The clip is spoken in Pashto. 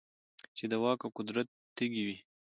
چـې د واک او قـدرت تـېږي وي .